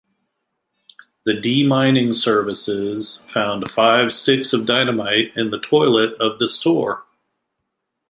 The demining services found five sticks of dynamite in the toilet of the store.